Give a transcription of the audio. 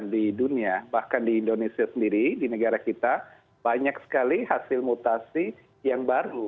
di dunia bahkan di indonesia sendiri di negara kita banyak sekali hasil mutasi yang baru